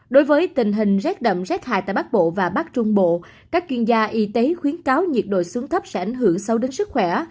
đối với tình hình rét đậm rét hại tại bắc bộ và bắc trung bộ các chuyên gia y tế khuyến cáo nhiệt độ xuống thấp sẽ ảnh hưởng sâu đến sức khỏe